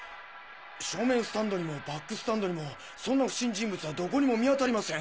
正面スタンドにもバックスタンドにもそんな不審人物はどこにも見当たりません。